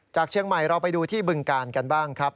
เชียงใหม่เราไปดูที่บึงกาลกันบ้างครับ